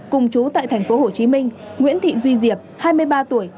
cùng chú tại thành phố hồ chí minh nguyễn thị duy diệp hai mươi ba tuổi